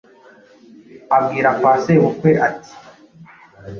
abwira kwa sebukwe ati “